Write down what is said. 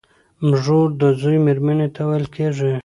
مږور د زوی مېرمني ته ويل کيږي.